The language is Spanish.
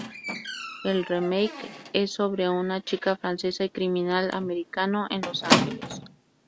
El "remake" es sobre una chica Francesa y un criminal Americano en Los Ángeles.